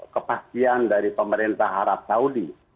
kepastian dari pemerintah arab saudi